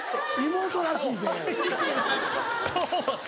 妹らしい。